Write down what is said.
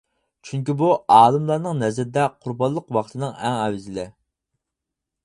چۈنكى بۇ ئالىملارنىڭ نەزىرىدە قۇربانلىق ۋاقتىنىڭ ئەڭ ئەۋزىلى.